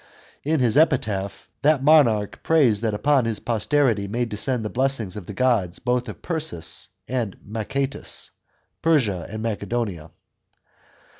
In his epitaph, that monarch piays, that upon his posterity may descend the blessings of the gods both of Persis and of Maketis (Persia and Macedonia).